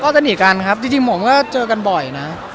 ก็สนิทกันครับจริงผมก็เจอกันบ่อยนะ